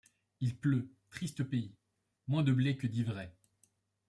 Il pleut ; triste pays. Moins de blé que d'ivraie.